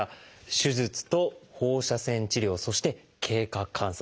「手術」と「放射線治療」そして「経過観察」